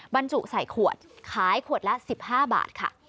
บรรจุใส่ขวดขายขวดละ๑๕บาทค่ะ